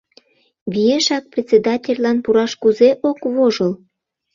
Виешак председательлан пураш кузе ок вожыл?